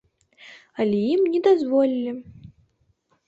Але ім не дазволілі.